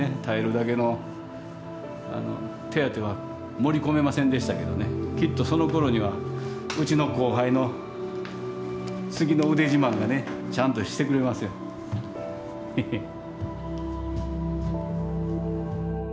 耐えるだけの手当ては盛り込めませんでしたけどねきっとそのころにはうちの後輩の次の腕自慢がねちゃんとしてくれますよ。へへっ。